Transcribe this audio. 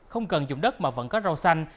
không cần dùng đất mà vẫn có rau xanh